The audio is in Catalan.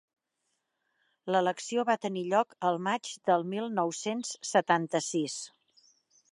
L'elecció va tenir lloc el maig del mil nou cents setanta-sis.